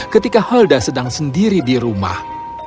ketika holda sedang sendiri di rumah